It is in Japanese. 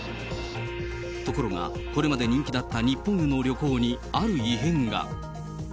ところが、これまで人気だった日本への旅行にある異変が。